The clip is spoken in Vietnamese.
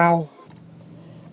quyết định tham gia